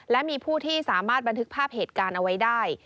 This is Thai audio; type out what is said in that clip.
และมีผู้ที่สามารถบันทึกภาพเหตุการณ์เอาไว้ได้